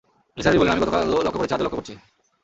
নিসার আলি বললেন, আমি গত কালও লক্ষ করেছি, আজও লক্ষ করছি।